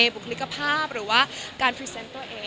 บุคลิกภาพหรือว่าการพรีเซนต์ตัวเอง